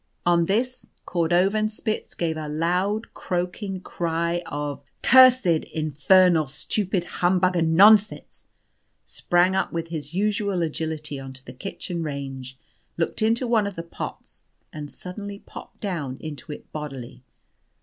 On this, Cordovanspitz gave a loud, croaking cry of "Cursed, infernal, stupid humbug and nonsense!" sprang with his usual agility on to the kitchen range, looked into one of the pots, and suddenly popped down into it bodily.